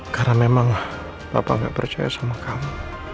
karena memang papa gak percaya sama kamu